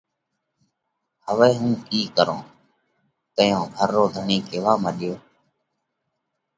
هوَئہ هُون ڪِي ڪرون؟ تئيون گھر رو ڌڻِي ڪيوا مڏيو۔